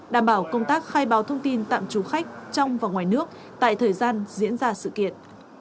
đảm bảo công tác khai báo thông tin tạm trú khách trong và ngoài nước tại thời gian diễn ra sự kiện